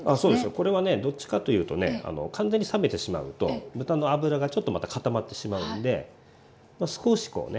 これはねどっちかというとね完全に冷めてしまうと豚の脂がちょっとまた固まってしまうので少しこうね